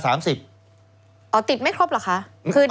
ติดไม่ครบเหรอคะ